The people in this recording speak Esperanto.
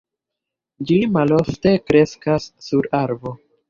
Ĝi malofte kreskas sur arbo.